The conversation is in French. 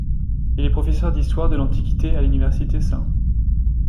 Il est professeur d'histoire de l'Antiquité à l'université St.